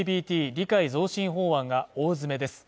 理解増進法案が大詰めです。